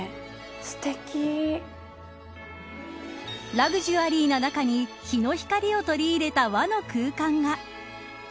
ラグジュアリーな中に日の光を取り入れた和の空間が。